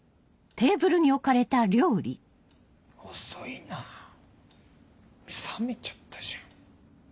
遅いな冷めちゃったじゃん。